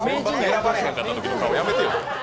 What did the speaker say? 名人が選抜に選ばれなかったときの顔、やめてよ。